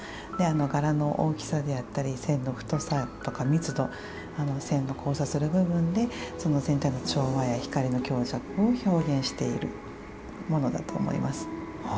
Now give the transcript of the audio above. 柄の大きさであったり線の太さとか密度線の交差する部分で全体の調和や光の強弱を表現しているものだと思います。